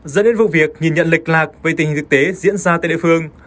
dẫn đến vụ việc nhìn nhận lịch lạc về tình thực tế diễn ra tại địa phương